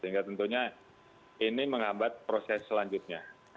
sehingga tentunya ini menghambat proses selanjutnya